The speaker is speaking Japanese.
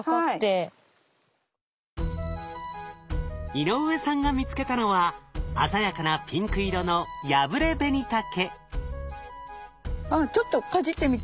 井上さんが見つけたのは鮮やかなピンク色のいいですか？